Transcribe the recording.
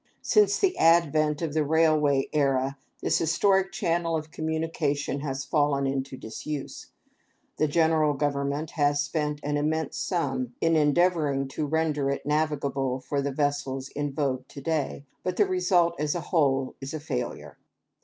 Since the advent of the railway era this historic channel of communication has fallen into disuse. The general government has spent an immense sum in endeavoring to render it navigable for the vessels in vogue to day, but the result, as a whole, is a failure.